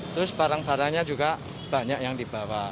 terus barang barangnya juga banyak yang dibawa